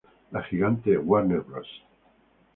La gigante Warner Bros.